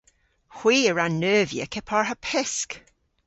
Hwi a wra neuvya kepar ha pysk!